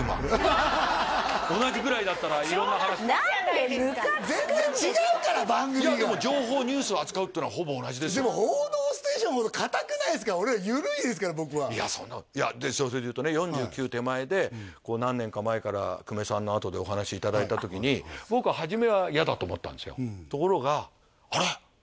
同じぐらいだったら色んな話しょうがないじゃないですか全然違うから番組がでも情報ニュースを扱うっていうのはほぼ同じですよでも「報道ステーション」ほど堅くないですから緩いですから僕はいやそんなで小生でいうとね４９手前で何年か前から久米さんのあとでお話いただいた時に僕は初めは嫌だと思ったんですよ